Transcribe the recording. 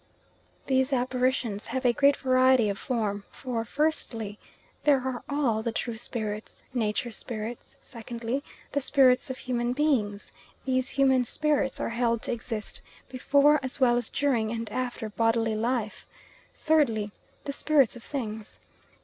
These apparitions have a great variety of form, for, firstly, there are all the true spirits, nature spirits; secondly, the spirits of human beings these human spirits are held to exist before as well as during and after bodily life; thirdly, the spirits of things.